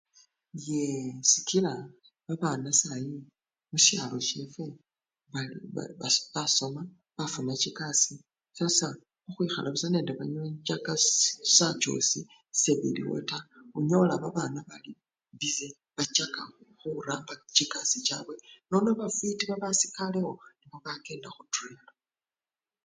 Yee! sikila babana sayi khusyalo syefwe ba! ba! basoma bafuna chikasii, sasa khukhwikhala busa nebanywa enchaka syanchusyile! sebiliwo taa, onyola babana bali bise bachaka khuramba chikasi chabwe nono bafwiti babasikalewo bano nibo bakenda khudripu.